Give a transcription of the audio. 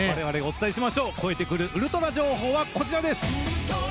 超えてくるウルトラ情報はこちらです。